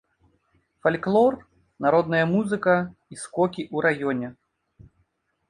Фальклор, народная музыка і скокі ў раёне.